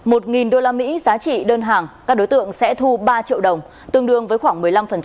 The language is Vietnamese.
một usd giá trị đơn hàng các đối tượng sẽ thu ba triệu đồng tương đương với khoảng một mươi năm